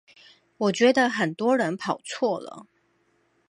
我覺得很多人跑錯了